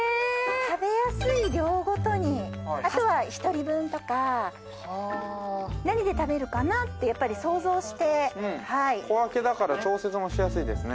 食べやすい量ごとにあとは１人分とか何で食べるかなってやっぱり想像して小分けだから調節もしやすいですね